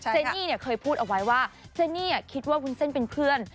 เจนี่เคยพูดเอาไว้ว่าเจนี่คิดว่าวุ้นเส้นเป็นเพื่อน